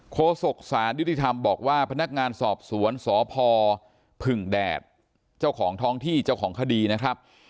โศกศาลยุติธรรมบอกว่าพนักงานสอบสวนสพผึ่งแดดเจ้าของท้องที่เจ้าของคดีนะครับ